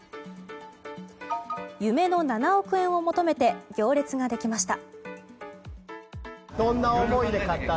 夢の７億円を求めて行列ができました。